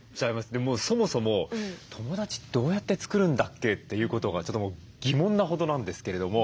そもそも友だちどうやって作るんだっけ？ということがちょっと疑問なほどなんですけれども。